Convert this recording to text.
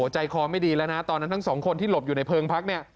จัยคอไม่ดีแล้วตอนนั้นทั้ง๒คนที่หลบอยู่ในเพลิงพัก